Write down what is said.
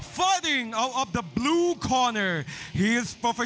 ฝ่ายขึ้นข้างหลังที่สีฟ้า